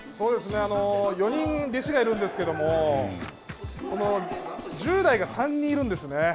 ４人弟子がいるんですけれども１０代が３人いるんですね。